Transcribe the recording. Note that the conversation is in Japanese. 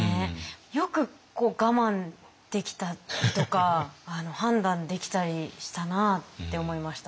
よく我慢できたりとか判断できたりしたなって思いました。